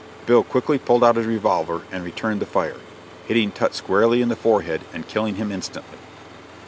Bill quickly pulled out his revolver and returned the fire, hitting Tutt squarely in the forehead and killing him instantly.